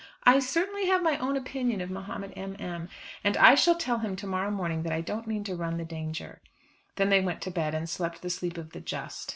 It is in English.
"I certainly have my own opinion of Mahomet M. M., and I shall tell him to morrow morning that I don't mean to run the danger." Then they went to bed, and slept the sleep of the just.